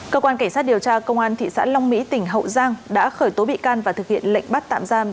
cơ quan cảnh sát điều tra công an thị xã long mỹ tỉnh hậu giang đã khởi tố bị can và thực hiện lệnh bắt tạm giam